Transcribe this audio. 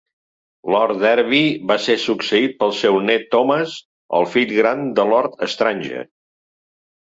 Lord Derby va ser succeït pel seu net Thomas, el fill gran de Lord Strange.